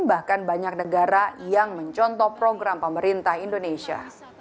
bahkan banyak negara yang mencontoh program pemerintah indonesia